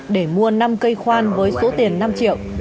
để mua năm cây khoan với số tiền năm triệu